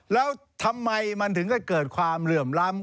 แล้วทำไมมันถึงก็เกิดความเหลื่อมล้ำ